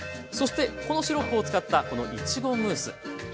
そしてこのシロップを使ったこのいちごムース。